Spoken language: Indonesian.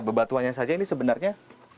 bebatuannya saja ini sebenarnya